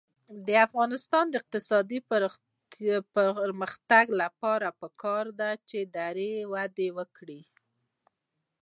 د افغانستان د اقتصادي پرمختګ لپاره پکار ده چې دري وده وکړي.